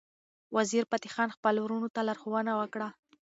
وزیرفتح خان خپل ورورانو ته لارښوونه وکړه.